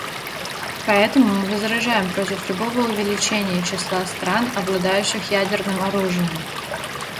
Поэтому мы возражаем против любого увеличения числа стран, обладающих ядерным оружием.